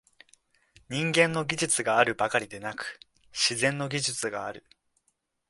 人間の技術があるばかりでなく、「自然の技術」がある。